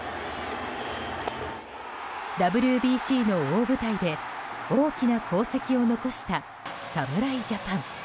ＷＢＣの大舞台で大きな功績を残した侍ジャパン。